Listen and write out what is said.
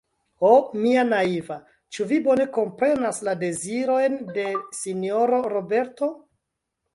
Ho, mia naiva, ĉu vi bone komprenas la dezirojn de sinjoro Roberto?